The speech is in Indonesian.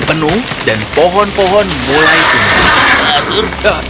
penuh dan pohon pohon mulai tumbuh